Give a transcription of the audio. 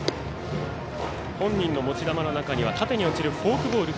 本人の持ち球の中には縦に落ちるフォークボール。